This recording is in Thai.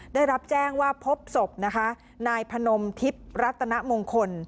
ได้รับแจ้งว่าพบศพนะคะนายพนมทิพย์รัตนมงคล